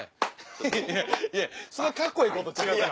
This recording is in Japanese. いやいやそんなカッコええこと違うから。